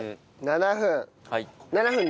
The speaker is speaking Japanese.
７分。